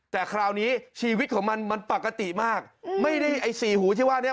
แต่คราวนี้ชีวิตของมันมันปกติมากไม่ได้ไอ้สี่หูที่ว่าเนี่ย